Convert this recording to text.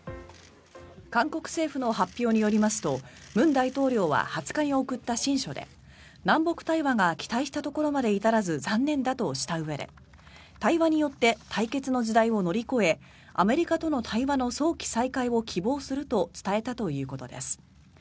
韓国政府の発表によりますと文大統領は２０日に送った親書で南北対話が期待したところまで至らず残念だとしたうえで対話によって対決の時代を乗り越えアメリカとの対話の早期再開を希望すると伝えたということです。